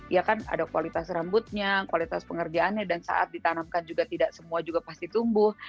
ya kan ada kualitas rambutnya kualitas pengerjaannya dan saat ditanamkan juga tidak semua juga pasti tumbuh